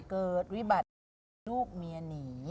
เกิดวิบัติที่ลูกเมียหนี